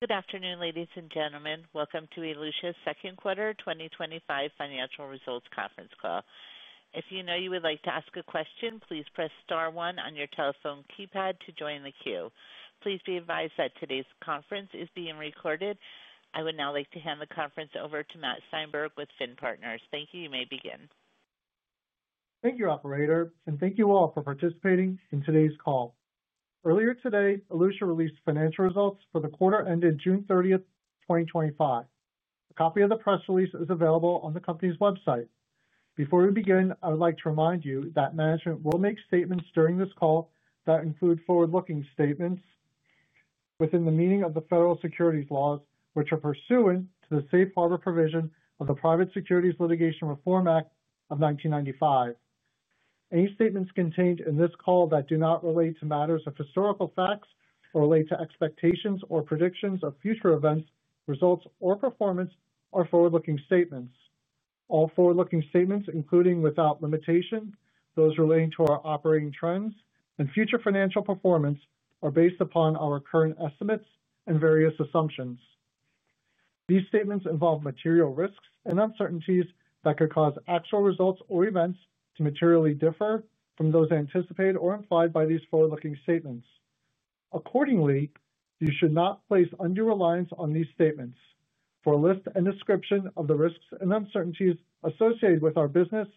Good afternoon, ladies and gentlemen. Welcome to Elutia's Second Quarter 2025 Financial Results Conference Call. If you know you would like to ask a question, please press star one on your telephone keypad to join the queue. Please be advised that today's conference is being recorded. I would now like to hand the conference over to Matt Steinberg with Finn Partners. Thank you. You may begin. Thank you, operator, and thank you all for participating in today's call. Earlier today, Elutia released financial results for the quarter ended June 30, 2025. A copy of the press release is available on the company's website. Before we begin, I would like to remind you that management will make statements during this call that include forward-looking statements within the meaning of the federal securities laws, which are pursuant to the Safe Harbor provision of the Private Securities Litigation Reform Act of 1995. Any statements contained in this call that do not relate to matters of historical facts or relate to expectations or predictions of future events, results, or performance are forward-looking statements. All forward-looking statements, including, without limitation, those relating to our operating trends and future financial performance, are based upon our current estimates and various assumptions. These statements involve material risks and uncertainties that could cause actual results or events to materially differ from those anticipated or implied by these forward-looking statements. Accordingly, you should not place undue reliance on these statements. For a list and description of the risks and uncertainties associated with our business,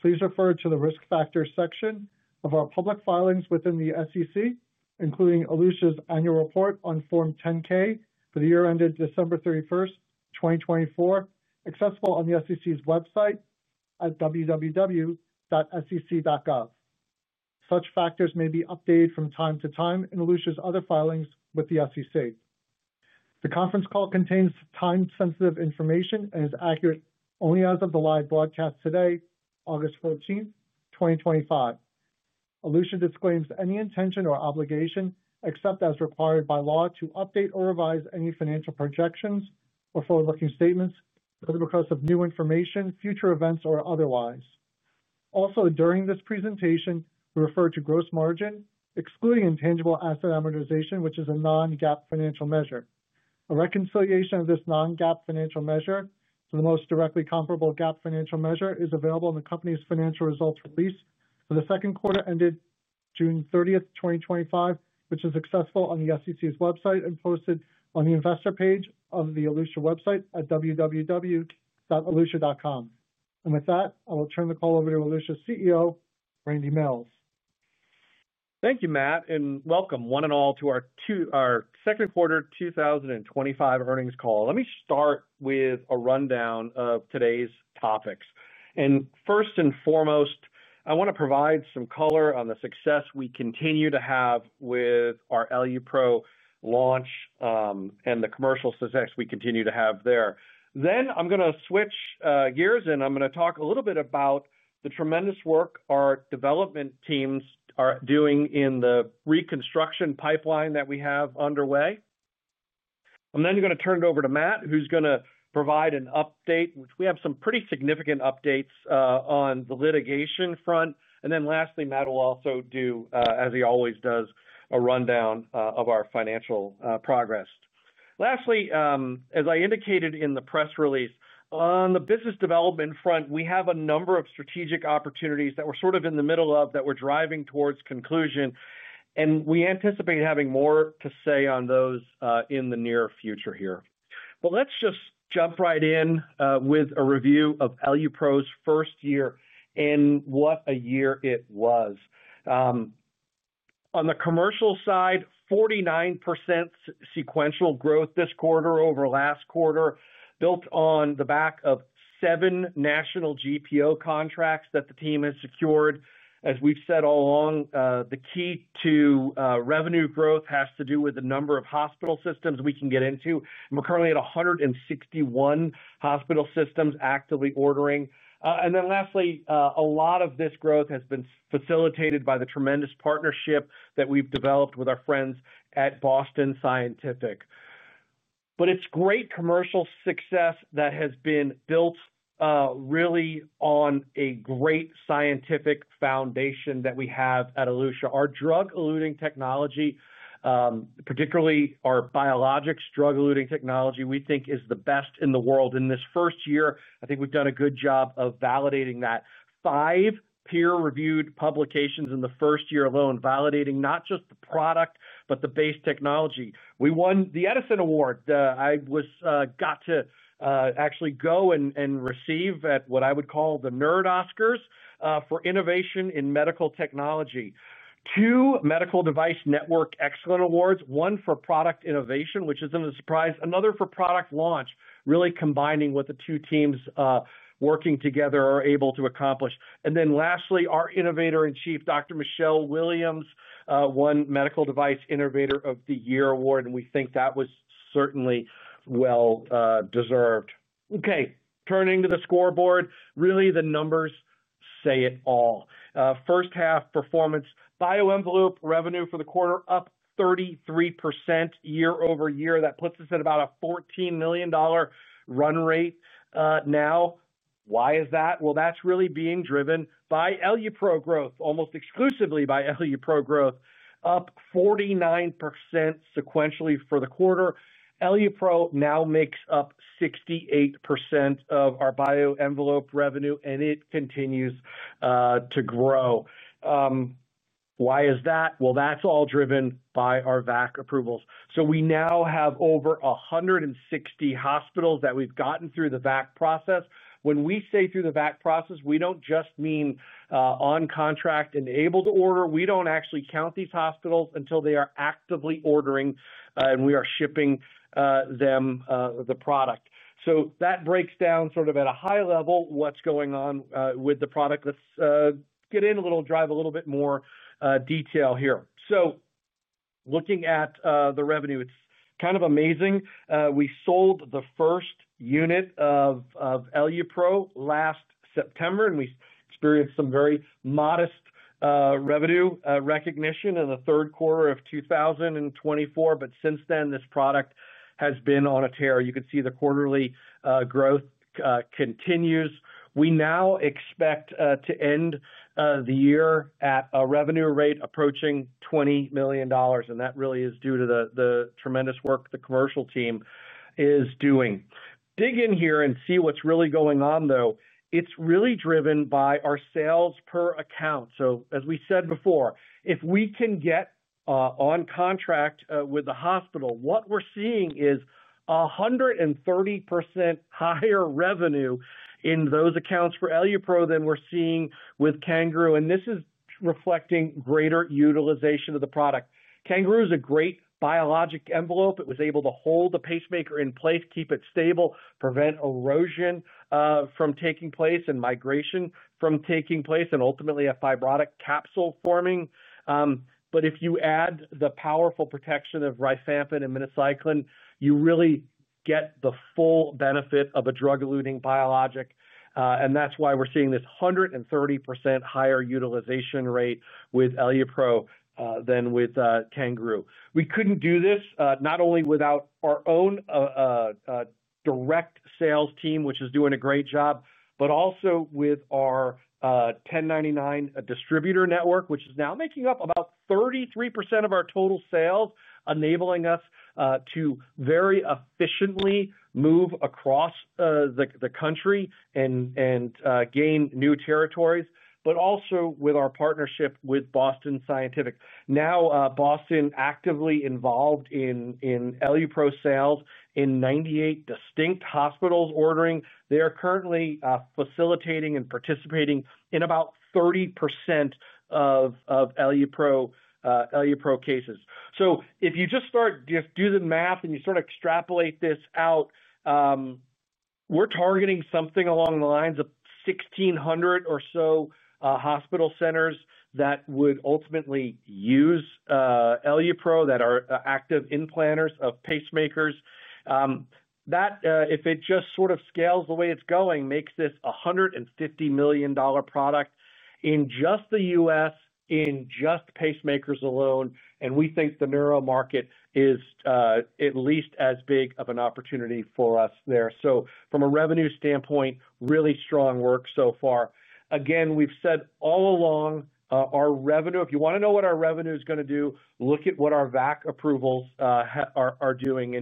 please refer to the risk factors section of our public filings within the SEC, including Elutia's annual report on Form 10-K for the year ended December 31st, 2024, accessible on the SEC's website at www.sec.gov. Such factors may be updated from time to time in Elutia's other filings with the SEC. The conference call contains time-sensitive information and is accurate only as of the live broadcast today, August 14th, 2025. Elutia disclaims any intention or obligation, except as required by law, to update or revise any financial projections or forward-looking statements because of new information, future events, or otherwise. Also, during this presentation, we refer to gross margin, excluding intangible asset amortization, which is a non-GAAP financial measure. A reconciliation of this non-GAAP financial measure with the most directly comparable GAAP financial measure is available in the company's financial results release for the second quarter ended June 30th, 2025, which is accessible on the SEC's website and posted on the investor page of the Elutia website at www.elutia.com. With that, I will turn the call over to Elutia's CEO, Randy Mills. Thank you, Matt, and welcome, one and all, to our second quarter 2025 earnings call. Let me start with a rundown of today's topics. First and foremost, I want to provide some color on the success we continue to have with our EluPro launch, and the commercial success we continue to have there. I'm going to switch gears, and I'm going to talk a little bit about the tremendous work our development teams are doing in the reconstruction pipeline that we have underway. I'm going to turn it over to Matt, who's going to provide an update, which we have some pretty significant updates, on the litigation front. Lastly, Matt will also do, as he always does, a rundown of our financial progress. As I indicated in the press release, on the business development front, we have a number of strategic opportunities that we're sort of in the middle of that we're driving towards conclusion. We anticipate having more to say on those in the near future here. Let's just jump right in with a review of EluPro's first year and what a year it was. On the commercial side, 49% sequential growth this quarter over last quarter, built on the back of seven national GPO contracts that the team has secured. As we've said all along, the key to revenue growth has to do with the number of hospital systems we can get into. We're currently at 161 hospital systems actively ordering. A lot of this growth has been facilitated by the tremendous partnership that we've developed with our friends at Boston Scientific. It's great commercial success that has been built, really on a great scientific foundation that we have at Elutia. Our drug-eluting technology, particularly our biologics drug-eluting technology, we think is the best in the world in this first year. I think we've done a good job of validating that. Five peer-reviewed publications in the first year alone, validating not just the product, but the base technology. We won the Edison Award that I was, got to, actually go and receive at what I would call the Nerd Oscars, for innovation in medical technology. Two Medical Device Network Excellence Awards, one for product innovation, which isn't a surprise, another for product launch, really combining what the two teams working together are able to accomplish. Lastly, our innovator in chief, Dr. Michelle Williams won Medical Device Innovator of the Year award, and we think that was certainly well deserved. Okay, turning to the scoreboard, really the numbers say it all. First half performance, BioEnvelope revenue for the quarter up 33% year over year. That puts us at about a $14 million run rate now. Why is that? That's really being driven by EluPro growth, almost exclusively by EluPro growth, up 49% sequentially for the quarter. EluPro now makes up 68% of our BioEnvelope revenue, and it continues to grow. Why is that? That's all driven by our VAC approvals. We now have over 160 hospitals that we've gotten through the VAC process. When we say through the VAC process, we don't just mean on contract and able to order. We don't actually count these hospitals until they are actively ordering, and we are shipping them the product. That breaks down sort of at a high level what's going on with the product. Let's get in a little, drive a little bit more detail here. Looking at the revenue, it's kind of amazing. We sold the first unit of EluPro last September, and we experienced some very modest revenue recognition in the third quarter of 2024. Since then, this product has been on a tear. You can see the quarterly growth continues. We now expect to end the year at a revenue rate approaching $20 million, and that really is due to the tremendous work the commercial team is doing. Dig in here and see what's really going on, though. It's really driven by our sales per account. As we said before, if we can get on contract with the hospital, what we're seeing is a 130% higher revenue in those accounts for EluPro than we're seeing with CanGaroo. This is reflecting greater utilization of the product. CanGaroo is a great biologic envelope. It was able to hold the pacemaker in place, keep it stable, prevent erosion from taking place and migration from taking place, and ultimately a fibrotic capsule forming. If you add the powerful protection of rifampin and minocycline, you really get the full benefit of a drug-eluting biologic. That's why we're seeing this 130% higher utilization rate with EluPro than with CanGaroo. We couldn't do this, not only without our own direct sales team, which is doing a great job, but also with our 1099 distributor network, which is now making up about 33% of our total sales, enabling us to very efficiently move across the country and gain new territories, but also with our partnership with Boston Scientific. Now, Boston is actively involved in EluPro sales in 98 distinct hospitals ordering. They are currently facilitating and participating in about 30% of EluPro cases. If you just do the math and you sort of extrapolate this out, we're targeting something along the lines of 1,600 or so hospital centers that would ultimately use EluPro that are active implanters of pacemakers. If it just sort of scales the way it's going, this makes a $150 million product in just the U.S., in just pacemakers alone. We think the neuro market is at least as big of an opportunity for us there. From a revenue standpoint, really strong work so far. Again, we've said all along, our revenue, if you want to know what our revenue is going to do, look at what our VAC approvals are doing.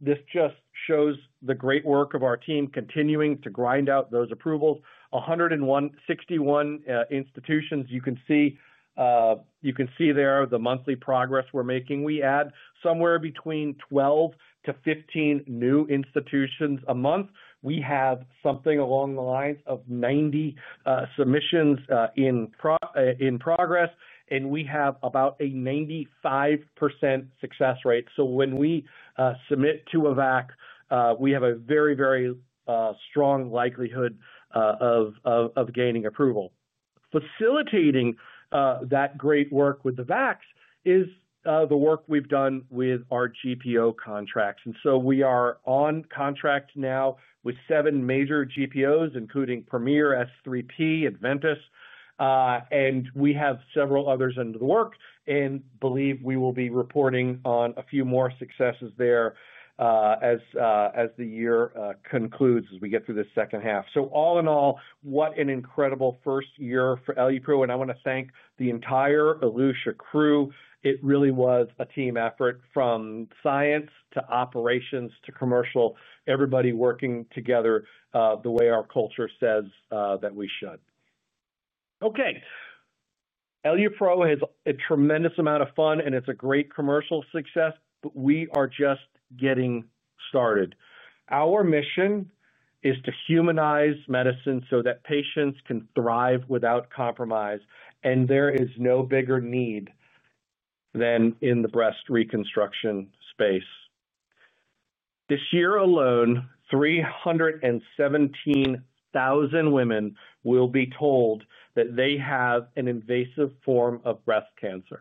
This just shows the great work of our team continuing to grind out those approvals. 161 institutions, you can see the monthly progress we're making. We add somewhere between 12-15 new institutions a month. We have something along the lines of 90 submissions in progress, and we have about a 95% success rate. When we submit to a VAC, we have a very, very strong likelihood of gaining approval. Facilitating that great work with the VACs is the work we've done with our GPO contracts. We are on contract now with seven major GPOs, including Premier, S3P, Advantus. We have several others under the work and believe we will be reporting on a few more successes there as the year concludes, as we get through this second half. All in all, what an incredible first year for EluPro, and I want to thank the entire Elutia crew. It really was a team effort from science to operations to commercial, everybody working together the way our culture says that we should. EluPro has a tremendous amount of fun, and it's a great commercial success, but we are just getting started. Our mission is to humanize medicine so that patients can thrive without compromise, and there is no bigger need than in the breast reconstruction space. This year alone, 317,000 women will be told that they have an invasive form of breast cancer.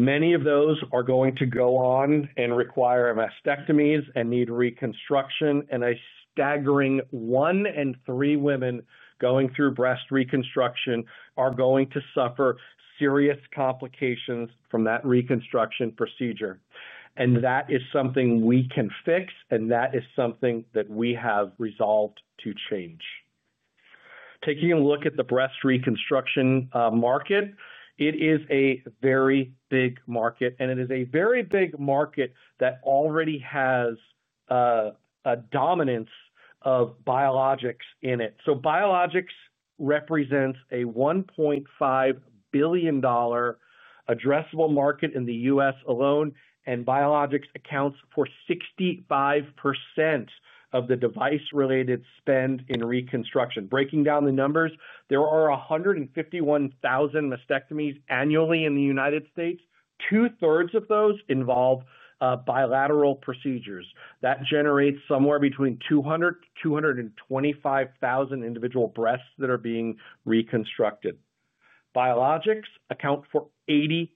Many of those are going to go on and require mastectomies and need reconstruction, and a staggering one in three women going through breast reconstruction are going to suffer serious complications from that reconstruction procedure. That is something we can fix, and that is something that we have resolved to change. Taking a look at the breast reconstruction market, it is a very big market, and it is a very big market that already has a dominance of biologics in it. Biologics represents a $1.5 billion addressable market in the U.S. alone, and biologics accounts for 65% of the device-related spend in reconstruction. Breaking down the numbers, there are 151,000 mastectomies annually in the United States. Two-thirds of those involve bilateral procedures. That generates somewhere between 200,000-225,000 individual breasts that are being reconstructed. Biologics account for 80%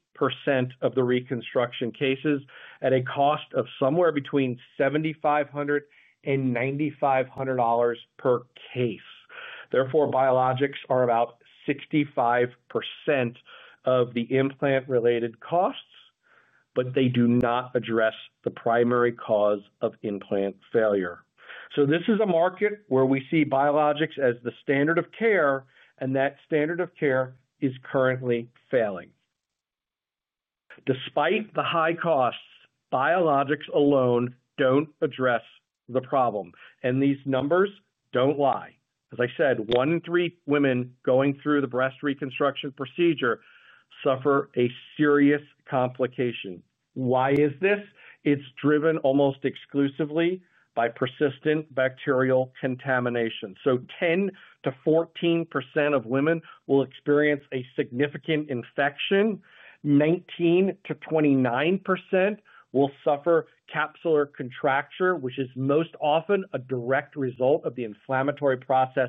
of the reconstruction cases at a cost of somewhere between $7,500 and $9,500 per case. Therefore, biologics are about 65% of the implant-related costs, but they do not address the primary cause of implant failure. This is a market where we see biologics as the standard of care, and that standard of care is currently failing. Despite the high costs, biologics alone don't address the problem. These numbers don't lie. As I said, one in three women going through the breast reconstruction procedure suffer a serious complication. Why is this? It's driven almost exclusively by persistent bacterial contamination. 10%-14% of women will experience a significant infection. 19%-29% will suffer capsular contracture, which is most often a direct result of the inflammatory process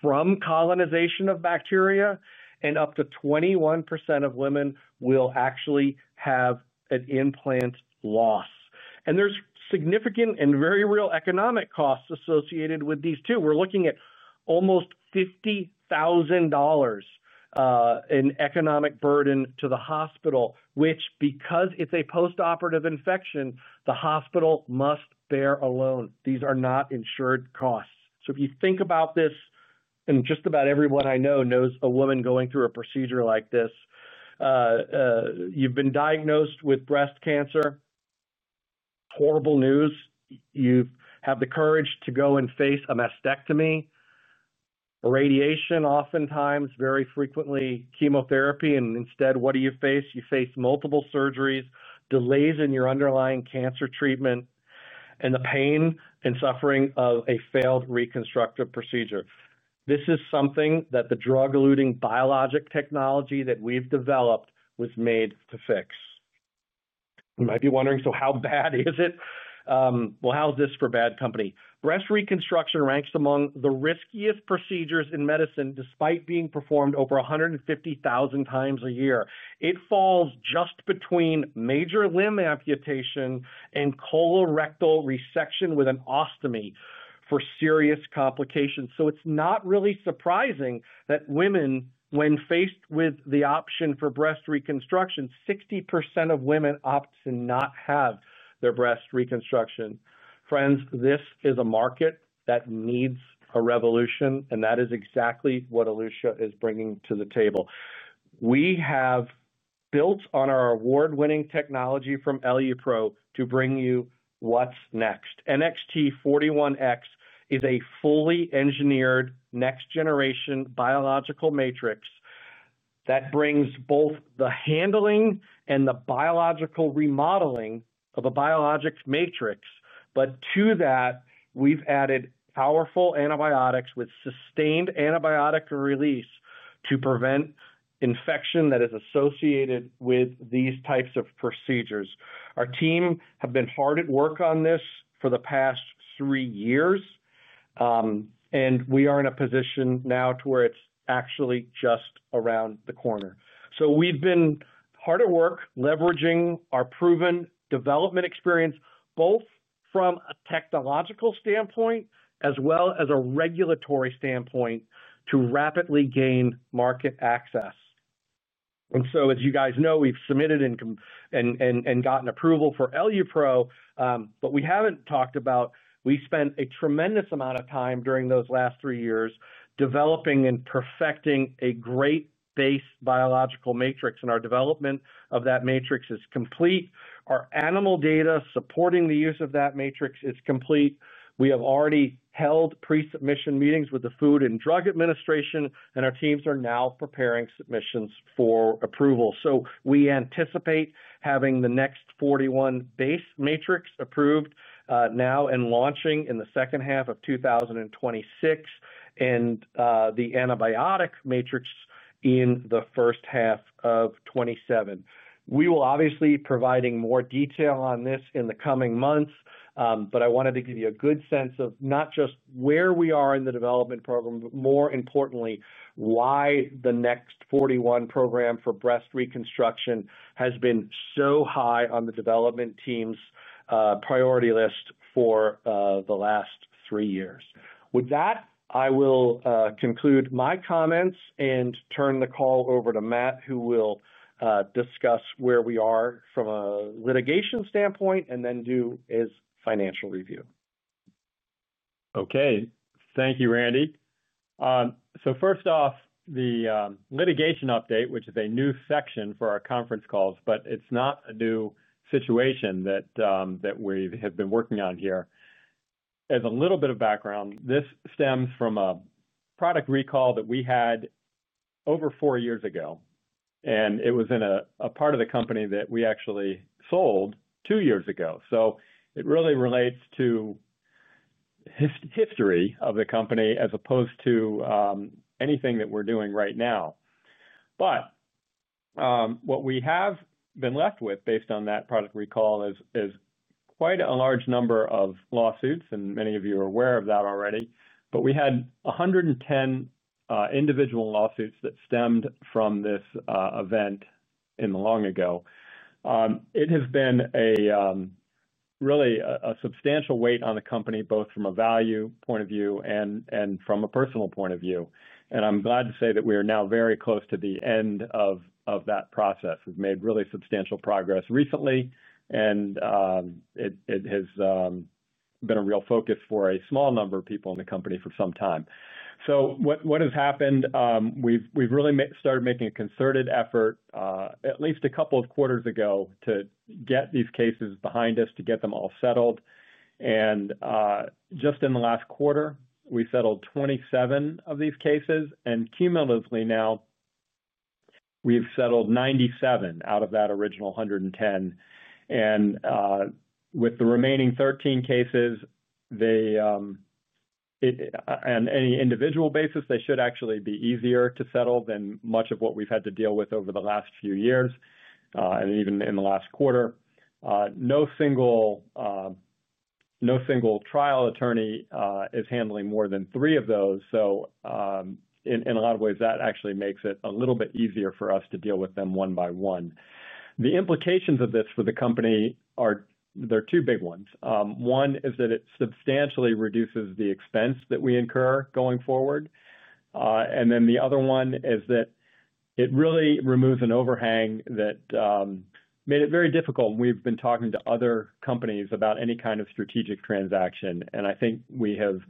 from colonization of bacteria. Up to 21% of women will actually have an implant loss. There are significant and very real economic costs associated with these too. We're looking at almost $50,000 in economic burden to the hospital, which, because it's a postoperative infection, the hospital must bear alone. These are not insured costs. If you think about this, and just about everyone I know knows a woman going through a procedure like this, you've been diagnosed with breast cancer, horrible news. You have the courage to go and face a mastectomy, radiation oftentimes, very frequently, chemotherapy, and instead, what do you face? You face multiple surgeries, delays in your underlying cancer treatment, and the pain and suffering of a failed reconstructive procedure. This is something that the drug-eluting biologic technology that we've developed was made to fix. You might be wondering, how bad is it? How's this for bad company: breast reconstruction ranks among the riskiest procedures in medicine, despite being performed over 150,000 times a year. It falls just between major limb amputation and colorectal resection with an ostomy for serious complications. It's not really surprising that, when faced with the option for breast reconstruction, 60% of women opt to not have their breast reconstruction. Friends, this is a market that needs a revolution, and that is exactly what Elutia is bringing to the table. We have built on our award-winning technology from EluPro to bring you what's next. NXT-41x is a fully engineered next-generation biological matrix that brings both the handling and the biological remodeling of a biologic matrix. To that, we've added powerful antibiotics with sustained antibiotic release to prevent infection that is associated with these types of procedures. Our team has been hard at work on this for the past three years, and we are in a position now where it's actually just around the corner. We've been hard at work leveraging our proven development experience, both from a technological standpoint as well as a regulatory standpoint, to rapidly gain market access. As you guys know, we've submitted and gotten approval for EluPro, but we haven't talked about how we spent a tremendous amount of time during those last three years developing and perfecting a great base biological matrix, and our development of that matrix is complete. Our animal data supporting the use of that matrix is complete. We have already held pre-submission meetings with the Food and Drug Administration, and our teams are now preparing submissions for approval. We anticipate having the NXT-41 base matrix approved now and launching in the second half of 2026, and the antibiotic matrix in the first half of 2027. We will obviously be providing more detail on this in the coming months, but I wanted to give you a good sense of not just where we are in the development program, but more importantly, why the NXT-41 program for breast reconstruction has been so high on the development team's priority list for the last three years. With that, I will conclude my comments and turn the call over to Matt, who will discuss where we are from a litigation standpoint and then do his financial review. Okay. Thank you, Randy. First off, the litigation update, which is a new section for our conference calls, but it's not a new situation that we have been working on here. As a little bit of background, this stems from a product recall that we had over four years ago, and it was in a part of the company that we actually sold two years ago. It really relates to the history of the company as opposed to anything that we're doing right now. What we have been left with based on that product recall is quite a large number of lawsuits, and many of you are aware of that already. We had 110 individual lawsuits that stemmed from this event in the long ago. It has been really a substantial weight on the company, both from a value point of view and from a personal point of view. I'm glad to say that we are now very close to the end of that process. We've made really substantial progress recently, and it has been a real focus for a small number of people in the company for some time. What has happened? We really started making a concerted effort at least a couple of quarters ago to get these cases behind us, to get them all settled. Just in the last quarter, we settled 27 of these cases, and cumulatively now we've settled 97 out of that original 110. With the remaining 13 cases, on an individual basis, they should actually be easier to settle than much of what we've had to deal with over the last few years, and even in the last quarter. No single trial attorney is handling more than three of those. In a lot of ways, that actually makes it a little bit easier for us to deal with them one by one. The implications of this for the company are two big ones. One is that it substantially reduces the expense that we incur going forward. The other one is that it really removes an overhang that made it very difficult. We've been talking to other companies about any kind of strategic transaction, and I think we have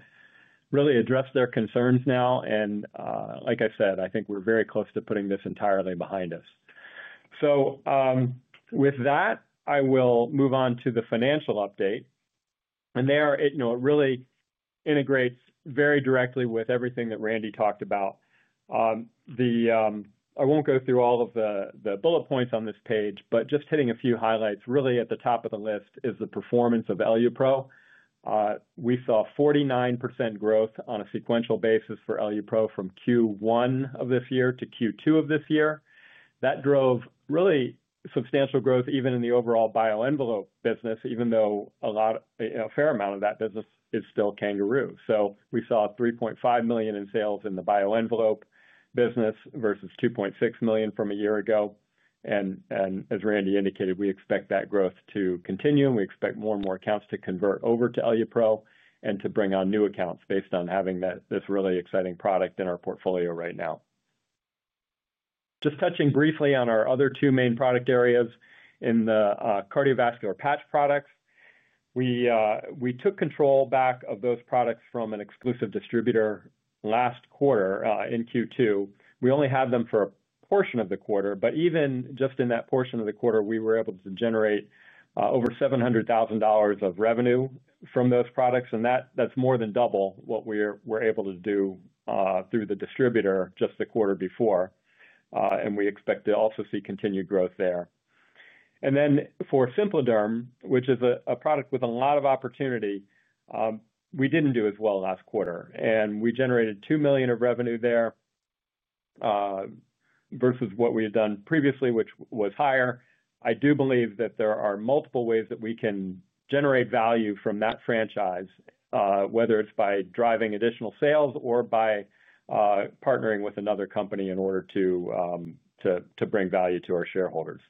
really addressed their concerns now. I think we're very close to putting this entirely behind us. With that, I will move on to the financial update. There, you know, it really integrates very directly with everything that Randy talked about. I won't go through all of the bullet points on this page, but just hitting a few highlights. Really, at the top of the list is the performance of EluPro. We saw 49% growth on a sequential basis for EluPro from Q1 of this year to Q2 of this year. That drove really substantial growth even in the overall BioEnvelope business, even though a fair amount of that business is still CanGaroo. We saw $3.5 million in sales in the BioEnvelope business versus $2.6 million from a year ago. As Randy indicated, we expect that growth to continue, and we expect more and more accounts to convert over to EluPro and to bring on new accounts based on having this really exciting product in our portfolio right now. Just touching briefly on our other two main product areas in the cardiovascular patch products, we took control back of those products from an exclusive distributor last quarter in Q2. We only had them for a portion of the quarter, but even just in that portion of the quarter, we were able to generate over $700,000 of revenue from those products. That's more than double what we were able to do through the distributor just the quarter before. We expect to also see continued growth there. For SimpliDerm, which is a product with a lot of opportunity, we didn't do as well last quarter. We generated $2 million of revenue there versus what we had done previously, which was higher. I do believe that there are multiple ways that we can generate value from that franchise, whether it's by driving additional sales or by partnering with another company in order to bring value to our shareholders.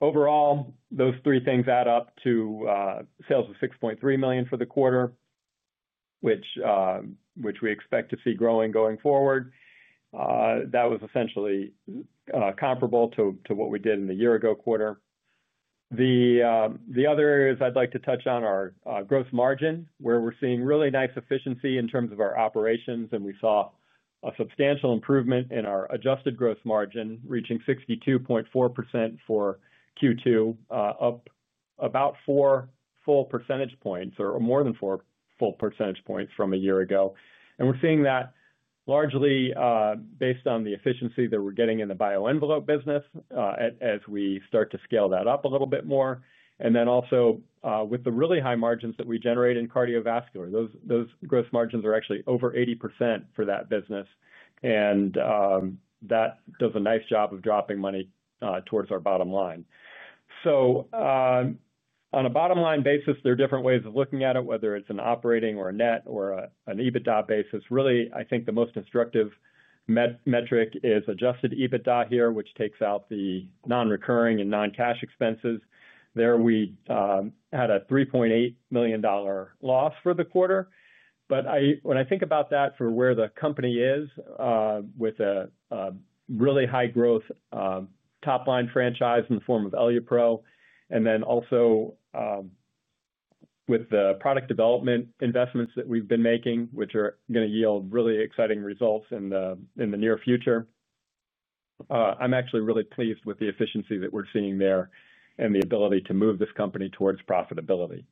Overall, those three things add up to sales of $6.3 million for the quarter, which we expect to see growing going forward. That was essentially comparable to what we did in the year ago quarter. The other areas I'd like to touch on are gross margin, where we're seeing really nice efficiency in terms of our operations, and we saw a substantial improvement in our adjusted gross margin reaching 62.4% for Q2, up about four full percentage points or more than four full percentage points from a year ago. We're seeing that largely based on the efficiency that we're getting in the BioEnvelope business as we start to scale that up a little bit more. Also, with the really high margins that we generate in cardiovascular, those gross margins are actually over 80% for that business. That does a nice job of dropping money towards our bottom line. On a bottom line basis, there are different ways of looking at it, whether it's an operating or a net or an EBITDA basis. Really, I think the most instructive metric is adjusted EBITDA here, which takes out the non-recurring and non-cash expenses. There, we had a $3.8 million loss for the quarter. When I think about that for where the company is with a really high growth top-line franchise in the form of EluPro, and then also with the product development investments that we've been making, which are going to yield really exciting results in the near future, I'm actually really pleased with the efficiency that we're seeing there and the ability to move this company towards profitability.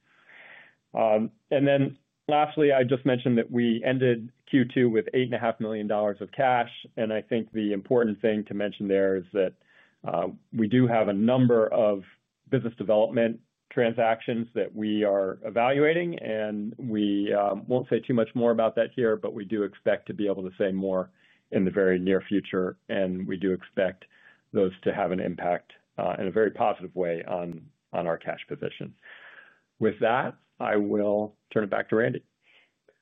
Lastly, I just mentioned that we ended Q2 with $8.5 million of cash. I think the important thing to mention there is that we do have a number of business development transactions that we are evaluating. We won't say too much more about that here, but we do expect to be able to say more in the very near future. We do expect those to have an impact in a very positive way on our cash position. With that, I will turn it back to Randy.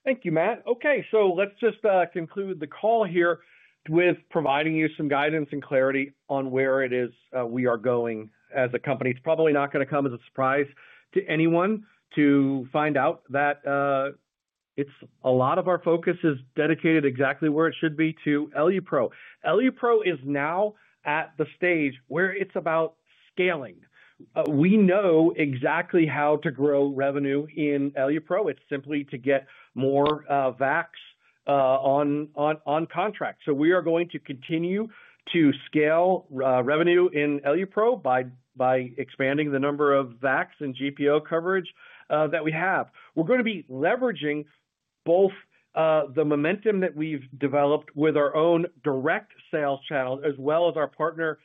Thank you, Matt. Okay, let's just conclude the call here with providing you some guidance and clarity on where it is we are going as a company. It's probably not going to come as a surprise to anyone to find out that a lot of our focus is dedicated exactly where it should be to EluPro. EluPro is now at the stage where it's about scaling. We know exactly how to grow revenue in EluPro. It's simply to get more VACs on contract. We are going to continue to scale revenue in EluPro by expanding the number of VACs and GPO coverage that we have. We are going to be leveraging both the momentum that we've developed with our own direct sales channel, as well as our partners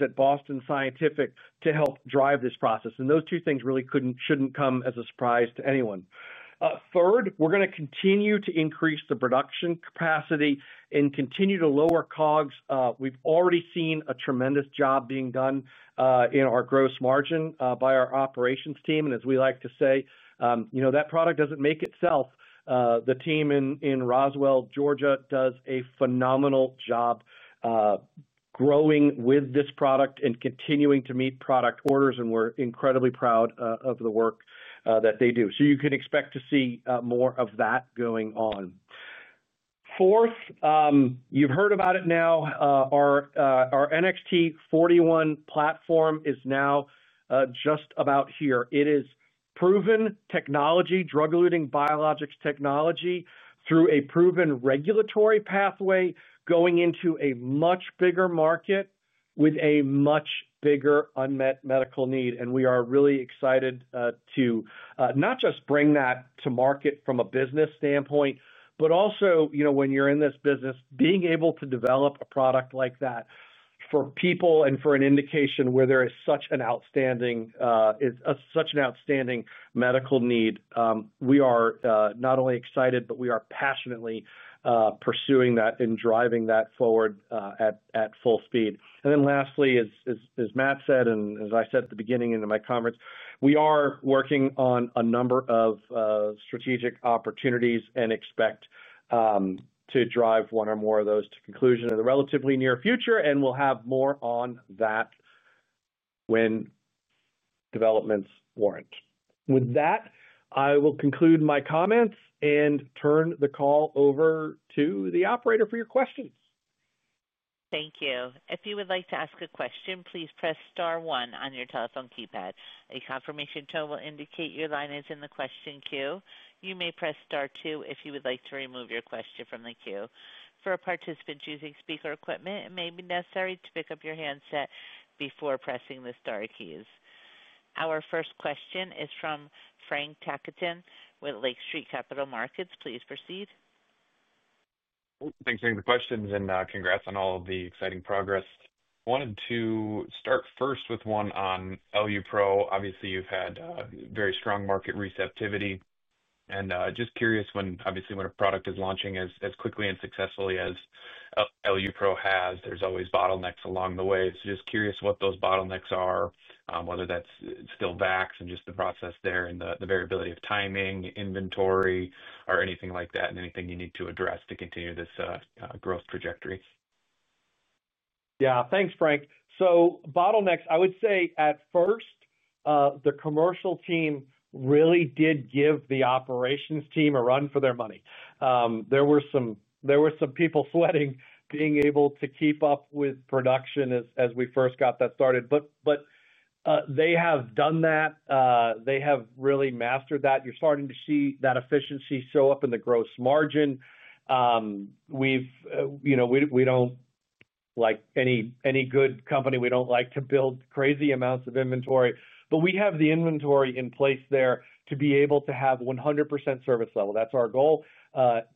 at Boston Scientific to help drive this process. Those two things really shouldn't come as a surprise to anyone. Third, we're going to continue to increase the production capacity and continue to lower COGs. We've already seen a tremendous job being done in our gross margin by our operations team. As we like to say, you know that product doesn't make itself. The team in Roswell, Georgia, does a phenomenal job growing with this product and continuing to meet product orders. We're incredibly proud of the work that they do. You can expect to see more of that going on. Fourth, you've heard about it now. Our NXT-41 platform is now just about here. It is proven technology, drug-eluting biologics technology through a proven regulatory pathway, going into a much bigger market with a much bigger unmet medical need. We are really excited to not just bring that to market from a business standpoint, but also, you know, when you're in this business, being able to develop a product like that for people and for an indication where there is such an outstanding medical need. We are not only excited, but we are passionately pursuing that and driving that forward at full speed. Lastly, as Matt said, and as I said at the beginning into my comments, we are working on a number of strategic opportunities and expect to drive one or more of those to conclusion in the relatively near future. We'll have more on that when developments warrant. With that, I will conclude my comments and turn the call over to the operator for your questions. Thank you. If you would like to ask a question, please press star one on your telephone keypad. A confirmation tone will indicate your line is in the question queue. You may press star two if you would like to remove your question from the queue. For participants using speaker equipment, it may be necessary to pick up your handset before pressing the star keys. Our first question is from Frank Takkinen with Lake Street Capital Markets. Please proceed. Thanks for the questions and congrats on all of the exciting progress. I wanted to start first with one on EluPro. Obviously, you've had very strong market receptivity. I'm just curious, when a product is launching as quickly and successfully as EluPro has, there's always bottlenecks along the way. I'm just curious what those bottlenecks are, whether that's still VACs and just the process there and the variability of timing, inventory, or anything like that, and anything you need to address to continue this growth trajectory. Yeah, thanks, Frank. Bottlenecks, I would say at first, the commercial team really did give the operations team a run for their money. There were some people sweating being able to keep up with production as we first got that started. They have done that. They have really mastered that. You're starting to see that efficiency show up in the gross margin. We don't, like any good company, we don't like to build crazy amounts of inventory, but we have the inventory in place there to be able to have 100% service level. That's our goal: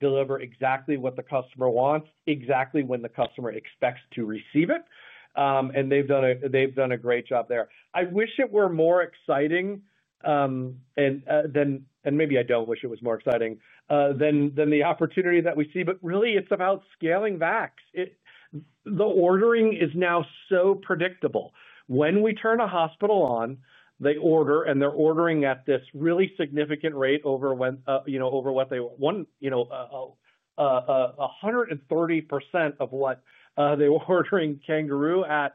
deliver exactly what the customer wants, exactly when the customer expects to receive it. They've done a great job there. I wish it were more exciting than... maybe I don't wish it was more exciting than the opportunity that we see, but really, it's about scaling VACs. The ordering is now so predictable. When we turn a hospital on, they order, and they're ordering at this really significant rate over what they... you know, 130% of what they were ordering. CanGaroo at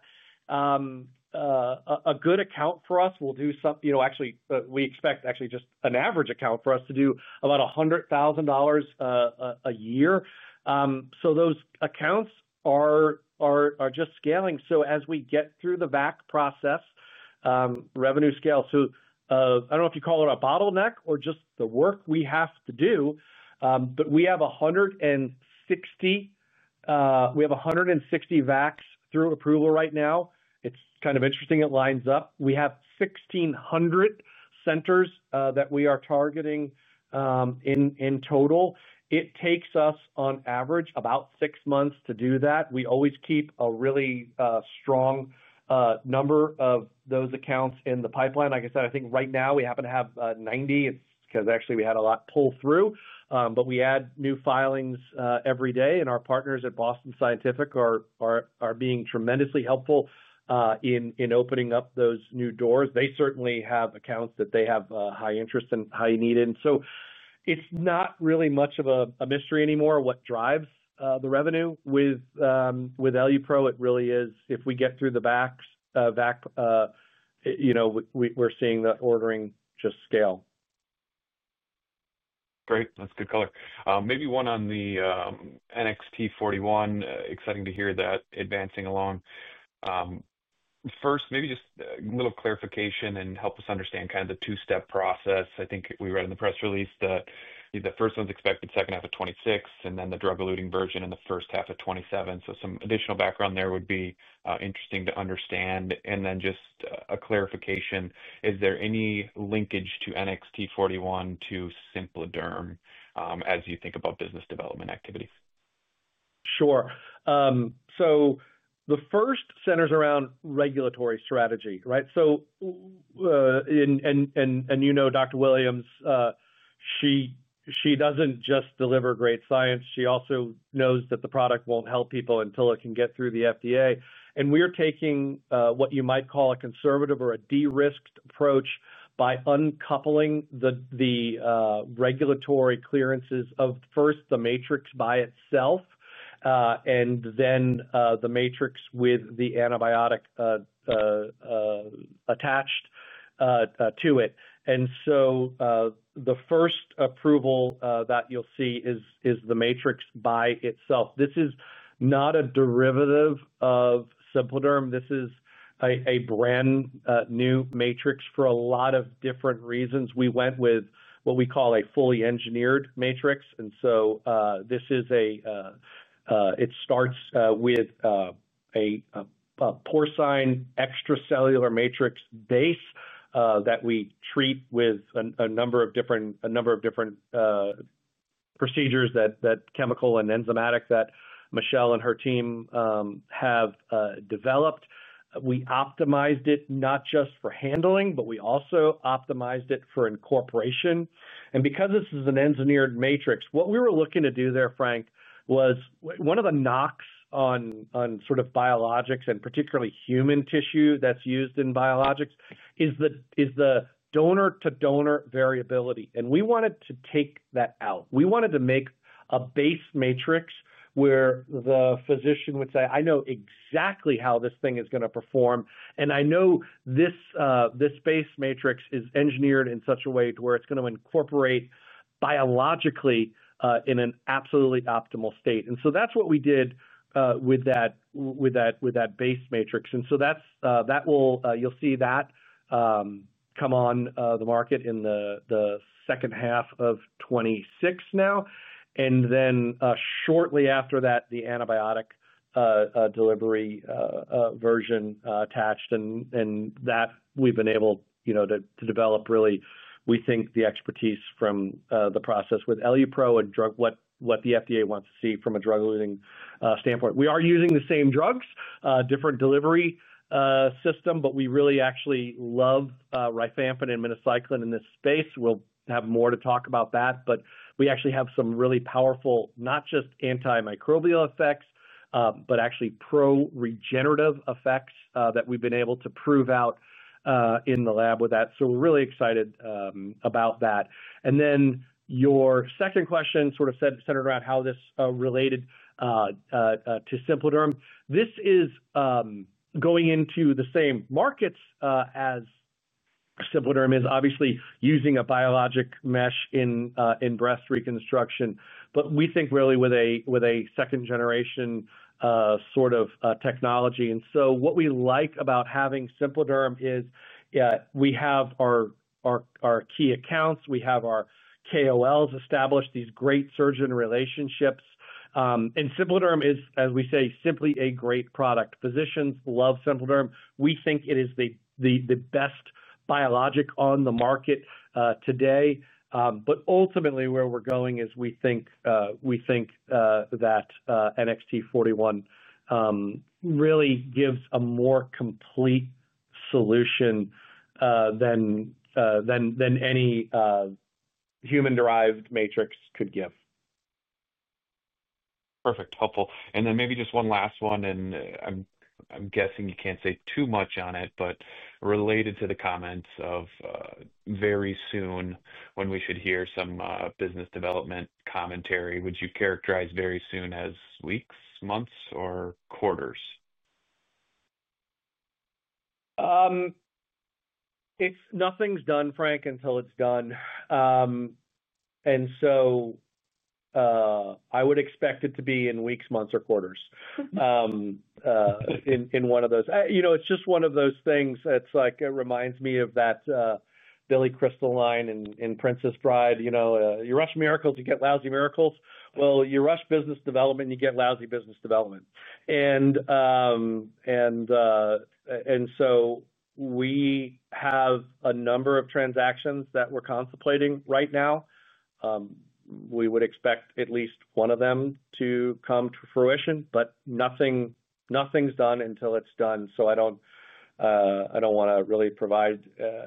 a good account for us will do some... actually, we expect actually just an average account for us to do about $100,000 a year. Those accounts are just scaling. As we get through the VAC process, revenue scales. I don't know if you call it a bottleneck or just the work we have to do, but we have 160... we have 160 VACs through approval right now. It's kind of interesting it lines up. We have 1,600 centers that we are targeting in total. It takes us on average about six months to do that. We always keep a really strong number of those accounts in the pipeline. Like I said, I think right now we happen to have 90 because actually we had a lot pull through. We add new filings every day, and our partners at Boston Scientific are being tremendously helpful in opening up those new doors. They certainly have accounts that they have high interest and high need in. It's not really much of a mystery anymore what drives the revenue. With EluPro, it really is if we get through the VACs, we're seeing that ordering just scale. Great. That's good color. Maybe one on the NXT-41. Exciting to hear that advancing along. First, maybe just a little clarification and help us understand kind of the two-step process. I think we read in the press release that the first one's expected second half of 2026, and then the drug-eluting version in the first half of 2027. Some additional background there would be interesting to understand. Just a clarification. Is there any linkage to NXT-41 to SimpliDerm as you think about business development activities? Sure. The first centers around regulatory strategy, right? Dr. Williams, she doesn't just deliver great science. She also knows that the product won't help people until it can get through the FDA. We are taking what you might call a conservative or a de-risked approach by uncoupling the regulatory clearances of first the matrix by itself and then the matrix with the antibiotic attached to it. The first approval that you'll see is the matrix by itself. This is not a derivative of SimpliDerm. This is a brand new matrix for a lot of different reasons. We went with what we call a fully engineered matrix. It starts with a porcine extracellular matrix base that we treat with a number of different procedures, chemical and enzymatic, that Michelle and her team have developed. We optimized it not just for handling, but we also optimized it for incorporation. Because this is an engineered matrix, what we were looking to do there, Frank, one of the knocks on sort of biologics and particularly human tissue that's used in biologics is the donor-to-donor variability. We wanted to take that out. We wanted to make a base matrix where the physician would say, "I know exactly how this thing is going to perform. I know this base matrix is engineered in such a way to where it's going to incorporate biologically in an absolutely optimal state." That's what we did with that base matrix. You'll see that come on the market in the second half of 2026 now, and then shortly after that, the antibiotic delivery version attached. We've been able to develop really, we think, the expertise from the process with EluPro and what the FDA wants to see from a drug-eluting standpoint. We are using the same drugs, different delivery system, but we really actually love rifampin and minocycline in this space. We'll have more to talk about that. We actually have some really powerful, not just antimicrobial effects, but actually pro-regenerative effects that we've been able to prove out in the lab with that. We're really excited about that. Your second question sort of centered around how this related to SimpliDerm. This is going into the same markets as SimpliDerm is, obviously using a biologic mesh in breast reconstruction, but we think really with a second-generation sort of technology. What we like about having SimpliDerm is we have our key accounts, we have our KOLs established, these great surgeon relationships. SimpliDerm is, as we say, simply a great product. Physicians love SimpliDerm. We think it is the best biologic on the market today. Ultimately, where we're going is we think that NXT-41 really gives a more complete solution than any human-derived matrix could give. Perfect. Helpful. Maybe just one last one, and I'm guessing you can't say too much on it, but related to the comments of very soon when we should hear some business development commentary, would you characterize very soon as weeks, months, or quarters? If nothing's done, Frank, until it's done. I would expect it to be in weeks, months, or quarters in one of those. It's just one of those things that reminds me of that Billy Crystal line in Princess Bride, you rush miracles, you get lousy miracles. You rush business development, you get lousy business development. We have a number of transactions that we're contemplating right now. We would expect at least one of them to come to fruition, but nothing's done until it's done. I don't want to really provide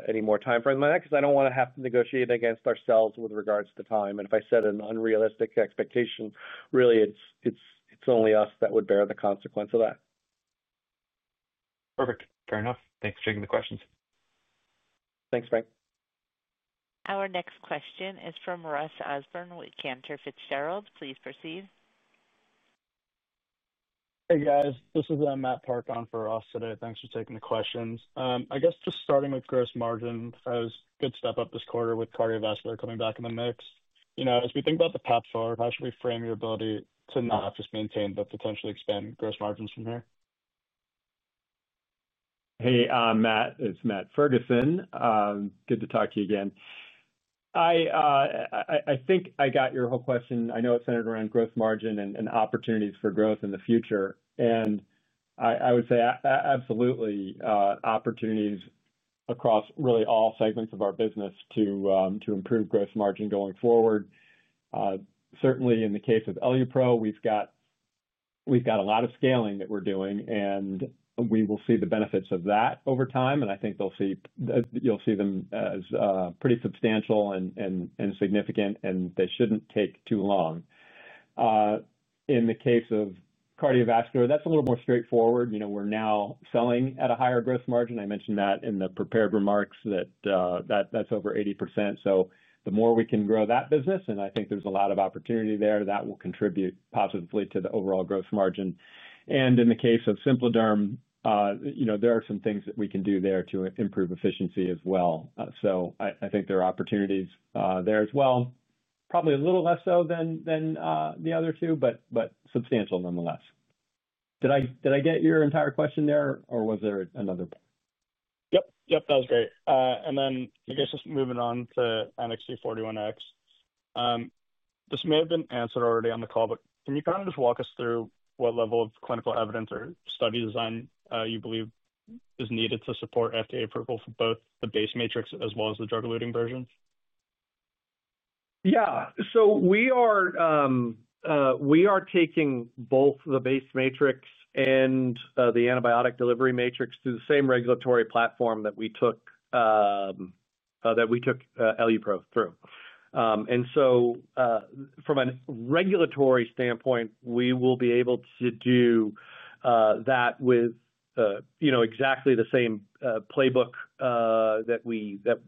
any more timeframes than that because I don't want to have to negotiate against ourselves with regards to the time. If I set an unrealistic expectation, really, it's only us that would bear the consequence of that. Perfect. Fair enough. Thanks for taking the questions. Thanks, Frank. Our next question is from Ross Osborn with Cantor Fitzgerald. Please proceed. Hey, guys. This is Matt Park on for Ross today. Thanks for taking the questions. I guess just starting with gross margin, it was a good step up this quarter with cardiovascular coming back in the mix. As we think about the path forward, how should we frame your ability to not just maintain, but potentially expand gross margins from here? Hey, Matt. It's Matt Ferguson. Good to talk to you again. I think I got your whole question. I know it's centered around gross margin and opportunities for growth in the future. I would say absolutely opportunities across really all segments of our business to improve gross margin going forward. Certainly, in the case of EluPro, we've got a lot of scaling that we're doing, and we will see the benefits of that over time. I think you'll see them as pretty substantial and significant, and they shouldn't take too long. In the case of cardiovascular, that's a little more straightforward. We're now selling at a higher gross margin. I mentioned that in the prepared remarks that that's over 80%. The more we can grow that business, and I think there's a lot of opportunity there, that will contribute positively to the overall gross margin. In the case of SimpliDerm, there are some things that we can do there to improve efficiency as well. I think there are opportunities there as well. Probably a little less so than the other two, but substantial nonetheless. Did I get your entire question there, or was there another part? Yep. That was great. I guess just moving on to NXT-41x. This may have been answered already on the call, but can you kind of just walk us through what level of clinical evidence or study design you believe is needed to support FDA approval for both the base matrix as well as the drug-eluting version? Yeah. We are taking both the base matrix and the antibiotic delivery matrix through the same regulatory platform that we took EluPro through. From a regulatory standpoint, we will be able to do that with exactly the same playbook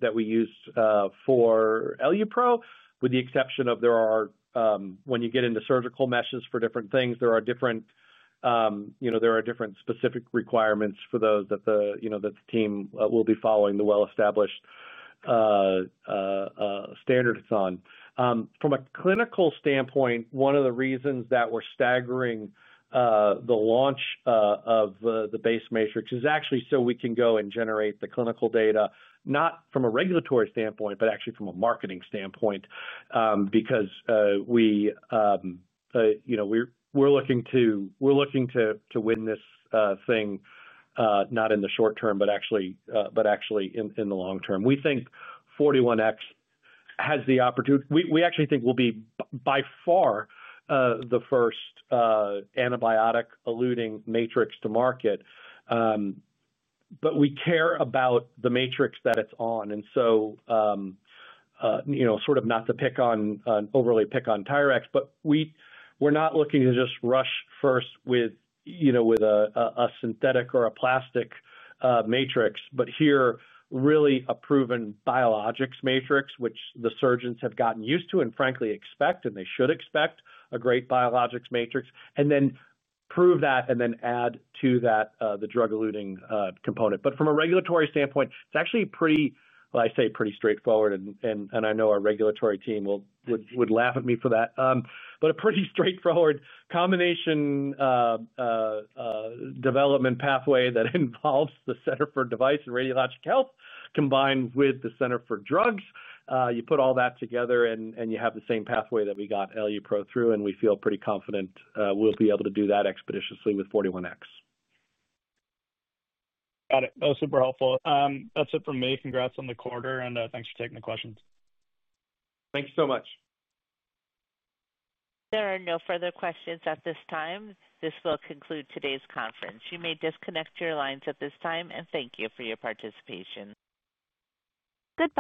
that we use for EluPro, with the exception of there are, when you get into surgical meshes for different things, there are different specific requirements for those that the team will be following the well-established standards on. From a clinical standpoint, one of the reasons that we're staggering the launch of the base matrix is actually so we can go and generate the clinical data, not from a regulatory standpoint, but actually from a marketing standpoint, because we're looking to win this thing not in the short term, but actually in the long term. We think NXT-41x has the opportunity. We actually think we'll be by far the first antibiotic-eluting matrix to market. We care about the matrix that it's on. Not to pick on, overly pick on Tyrex, but we're not looking to just rush first with a synthetic or a plastic matrix, but here really a proven biologics matrix, which the surgeons have gotten used to and frankly expect, and they should expect a great biologics matrix, and then prove that and then add to that the drug-eluting component. From a regulatory standpoint, it's actually pretty, I say pretty straightforward, and I know our regulatory team would laugh at me for that, but a pretty straightforward combination development pathway that involves the Center for Device and Radiologic Health combined with the Center for Drugs. You put all that together and you have the same pathway that we got EluPro through, and we feel pretty confident we'll be able to do that expeditiously with NXT-41x. Got it. That was super helpful. That's it for me. Congrats on the quarter and thanks for taking the questions. Thank you so much. There are no further questions at this time. This will conclude today's conference. You may disconnect your lines at this time, and thank you for your participation.